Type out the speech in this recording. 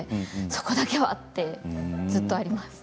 そこだけはというのがずっとあります。